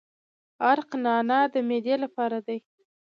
عرق نعنا د معدې لپاره دی.